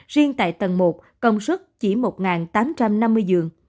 riêng tại tầng một công suất chỉ một tám trăm năm mươi giường